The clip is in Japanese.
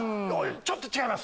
ちょっと違います。